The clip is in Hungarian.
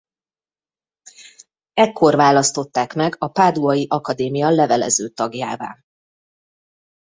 Ekkor választották meg a páduai akadémia levelező tagjává.